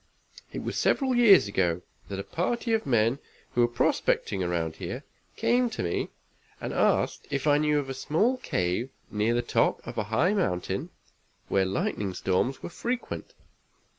It was several years ago that a party of men who were prospecting around here came to me and asked if I knew of a small cave near the top of a high mountain, where lightning storms were frequent.